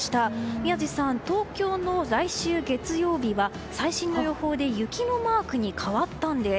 宮司さん、東京の来週月曜日は最新の予報で雪のマークに変わったんです。